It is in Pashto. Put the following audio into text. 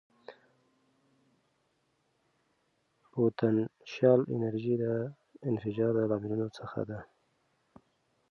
پوتنشیاله انرژي د انفجار د لاملونو څخه ده.